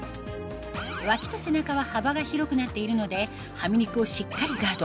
脇と背中は幅が広くなっているのでハミ肉をしっかりガード